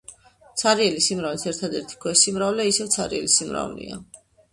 ცარიელი სიმრავლის ერთადერთი ქვესიმრავლე ისევ ცარიელი სიმრავლეა.